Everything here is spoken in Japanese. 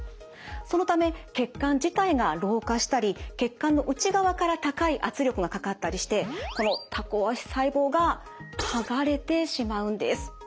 そのため血管自体が老化したり血管の内側から高い圧力がかかったりしてこのタコ足細胞が剥がれてしまうんです。